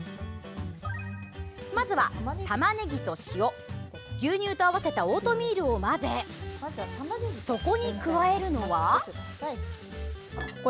まずは、たまねぎと塩牛乳と合わせたオートミールを混ぜ、そこに加えるのは。